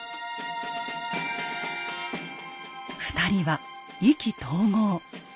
２人は意気投合。